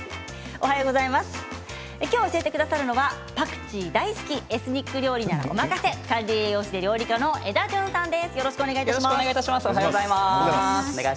きょう教えてくださるのはパクチー大好きエスニック料理ならお任せ管理栄養士で料理家のエダジュンさんです。